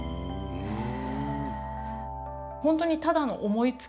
へえ！